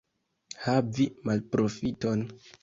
Havi malprofiton.